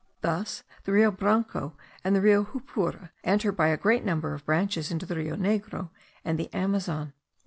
Thus the Rio Branco and the Rio Jupura enter by a great number of branches into the Rio Negro and the Amazon.